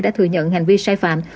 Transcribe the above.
đã thừa nhận hành vi sai phạm